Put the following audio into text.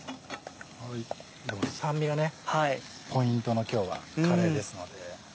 酸味がポイントの今日はカレーですので。